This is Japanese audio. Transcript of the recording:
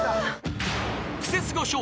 ［クセスゴ笑